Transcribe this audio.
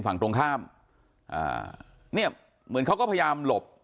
ฝั่งตรงข้ามอ่าเนี่ยเหมือนเขาก็พยายามหลบ